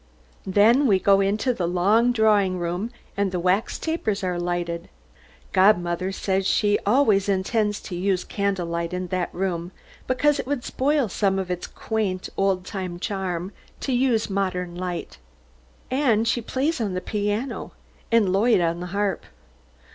Then we go into the long drawing room, and the wax tapers are lighted. Godmother says she always intends to use candle light in that room, because it would spoil some of its quaint old time charm to use modern lights. And she plays on the piano, and Lloyd on the harp.